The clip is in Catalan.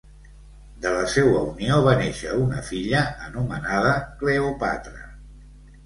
De la seua unió va néixer una filla anomenada Cleòpatra.